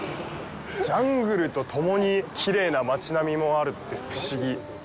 ジャングルと共にきれいな街並みもあるって不思議。